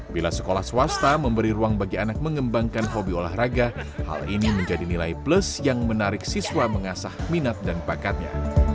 bila sekolah swasta memberi ruang bagi anak mengembangkan hobi olahraga hal ini menjadi nilai plus yang menarik siswa mengasah minat dan bakatnya